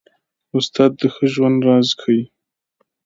استاد د ښه ژوند راز ښيي.